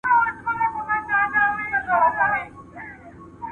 دوی به پر علمي مسایلو بحث کوي.